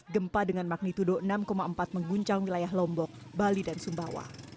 gempa dengan magnitudo enam empat mengguncang wilayah lombok bali dan sumbawa